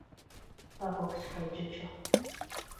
Mpaako ku kikajjo kyo.